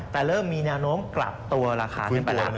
แต่เริ่มมีแนวโน้มกลับตัวราคาขึ้นไปแล้ว